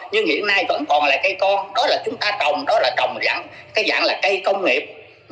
nhưng hiện nay vẫn còn là cây con đó là chúng ta trồng đó là trồng dặn cái dạng là cây công nghiệp